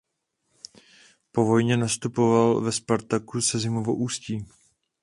Po vojně nastupoval ve Spartaku Sezimovo Ústí.